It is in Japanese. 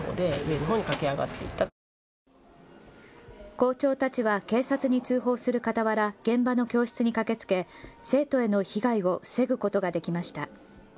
校長たちは警察に通報するかたわら現場の教室に駆けつけ、生徒への被害を防ぐことができました。